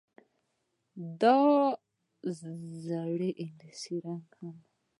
دا د زړې انګلیسي په رنګ کې هم وه